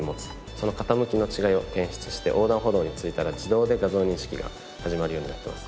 その傾きの違いを検出して横断歩道に着いたら自動で画像認識が始まるようになっています。